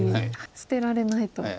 捨てられないと。